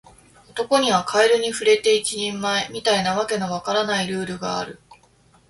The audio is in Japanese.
男にはカエルに触れて一人前、みたいな訳の分からないルールがある